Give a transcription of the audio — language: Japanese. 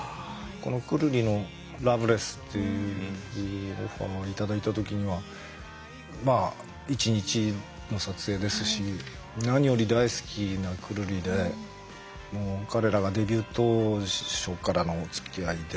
このくるりの「ｌｏｖｅｌｅｓｓ」っていうオファーを頂いた時にはまあ一日の撮影ですし何より大好きなくるりでもう彼らがデビュー当初からのおつきあいで。